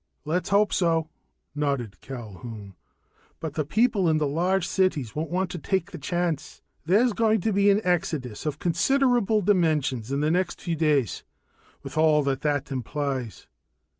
"Let's hope so," nodded Culquhoun. "But the people in the large cities won't want to take the chance. There's going to be an exodus of considerable dimensions in the next few days, with all that that implies."